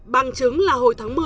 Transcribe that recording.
bằng chứng là hồi tháng một mươi